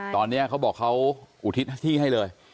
ตอนนี้เขาบอกเขาอุทิศที่ให้เลย